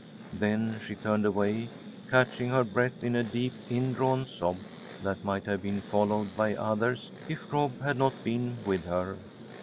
Then she turned away, catching her breath in a deep indrawn sob, that might have been followed by others if Rob had not been with her.